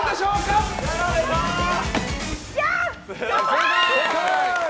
正解！